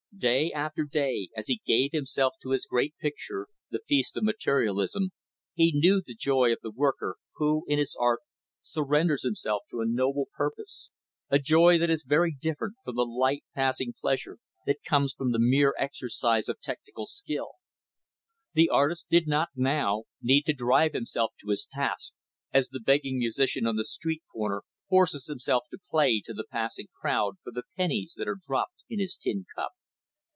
Day after day, as he gave himself to his great picture, "The Feast of Materialism," he knew the joy of the worker who, in his art, surrenders himself to a noble purpose a joy that is very different from the light, passing pleasure that comes from the mere exercise of technical skill. The artist did not, now, need to drive himself to his task, as the begging musician on the street corner forces himself to play to the passing crowd, for the pennies that are dropped in his tin cup.